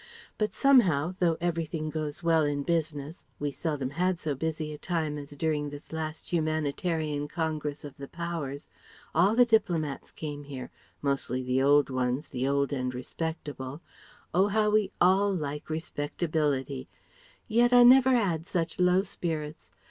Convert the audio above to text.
But somehow, though everything goes well in business we seldom had so busy a time as during this last Humanitarian Congress of the Powers all the diplomats came here mostly the old ones, the old and respectable oh we all like respectability yet I never 'ad such low spirits.